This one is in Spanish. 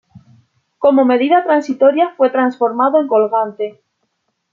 Como medida transitoria fue transformado en colgante.